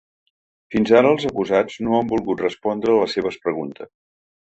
Fins ara els acusats no han volgut respondre a les seves preguntes.